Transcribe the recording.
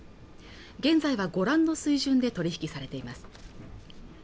現在はご覧の水準で取引されています